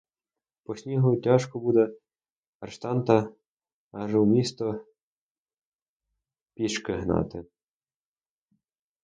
По снігу тяжко буде арештанта аж у місто пішки гнати.